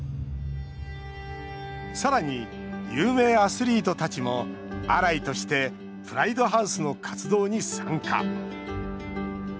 さらに有名アスリートたちもアライとしてプライドハウスの活動に参加。